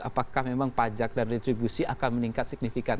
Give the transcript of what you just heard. apakah memang pajak dan retribusi akan meningkat signifikan